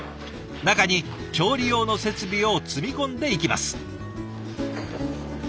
中に調理用の設備を積み込んでいきます。